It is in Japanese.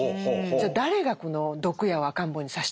じゃあ誰がこの毒矢を赤ん坊に刺したのか。